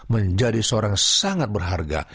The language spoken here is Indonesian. menjadi seorang sangat berharga